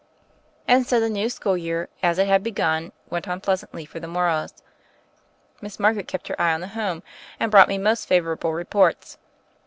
And so the new school year, as it had begun, went on pleasantly for the Morrows. Miss Margaret kept her eye on the home and brought me most favorable reports.